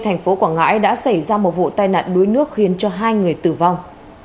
thành phố quảng ngãi đã xảy ra một vụ tai nạn đuối nước khiến cho hai người tử vong